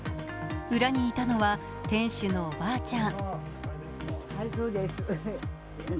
裏にいたのは店主のおばあちゃん。